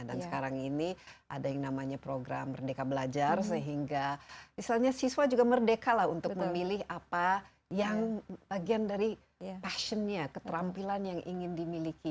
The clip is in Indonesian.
dan sekarang ini ada yang namanya program merdeka belajar sehingga misalnya siswa juga merdeka lah untuk memilih apa yang bagian dari passion nya keterampilan yang ingin dimiliki